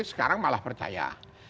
sekarang malah percaya